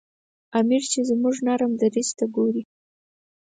امیر چې زموږ نرم دریځ ته ګوري.